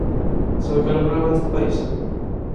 ¿Sabe cal é o problema deste país?